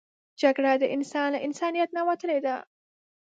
جګړه د انسان له انسانیت نه وتل دي